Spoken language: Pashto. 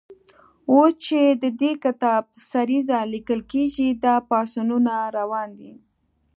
اوس چې د دې کتاب سریزه لیکل کېږي، دا پاڅونونه روان دي.